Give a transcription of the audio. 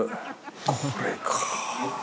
これかぁ。